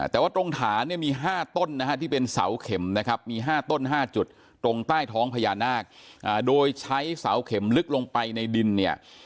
แต่ว่าตรงฐานเนี่ยมี๕ต้นนะฮะที่เป็นเสาเข็มนะครับมี๕ต้น๕จุดตรงใต้ท้องพญานาคโดยใช้เสาเข็มลึกลงไปในดินเนี่ย